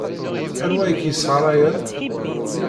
Anwa ay k-yessɣarayen?